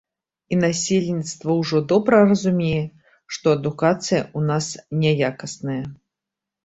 І насельніцтва ўжо добра разумее, што адукацыя ў нас няякасная.